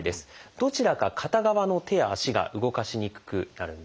どちらか片側の手や足が動かしにくくなるんです。